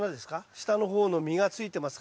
下の方の実がついてますか？